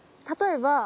例えば。